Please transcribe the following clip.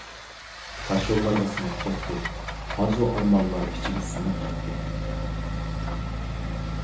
تاشيوللارغا سىڭىپ كەتتى، ئارزۇ-ئارمانلار ئىچىگە سىڭىپ كەتتى.